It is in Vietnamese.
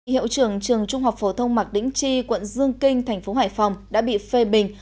hiệu trưởng trường trung học phổ thông mạc đĩnh tri quận dương kinh thành phố hải phòng đã bị phê bình